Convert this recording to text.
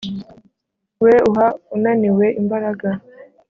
we uha unaniwe imbaraga